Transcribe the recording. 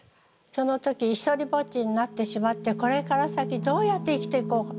その時独りぼっちになってしまってこれから先どうやって生きていこう。